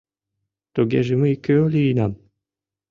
— Тугеже мый кӧ лийынам?